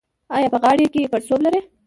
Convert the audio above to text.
ایا په غاړه کې پړسوب لرئ؟